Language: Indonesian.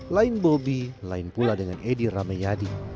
lain bobi lain pula dengan edi rameyadi